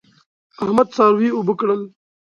احمد څاروي اوبه کړل.